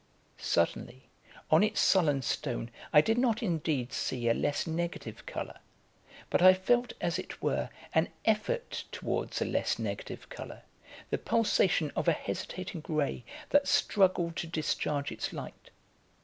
Suddenly, on its sullen stone, I did not indeed see a less negative colour, but I felt as it were an effort towards a less negative colour, the pulsation of a hesitating ray that struggled to discharge its light.